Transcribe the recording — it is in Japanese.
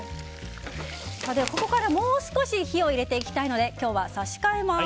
ここからもう少し火を入れていきたいので今日は差し替えます。